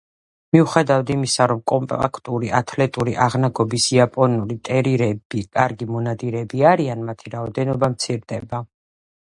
მიუხედავად იმისა, რომ კომპაქტური, ათლეტური აღნაგობის იაპონური ტერიერები კარგი მონადირეები არიან მათი რაოდენობა მცირდება.